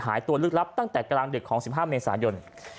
หายตัวลึกลับตั้งแต่กลางดึกของ๑๕เมษายน